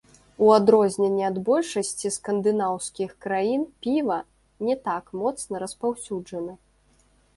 У адрозненне ад большасці скандынаўскіх краін піва не так моцна распаўсюджана.